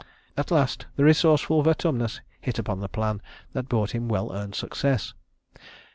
At last the resourceful Vertumnus hit upon the plan that brought him well earned success.